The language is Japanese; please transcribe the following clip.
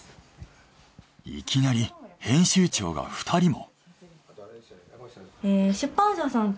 いきなり編集長が２人も。